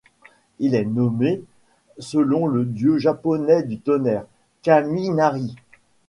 Il est nommé selon le dieu Japonais du tonnerre, Kami-Nari.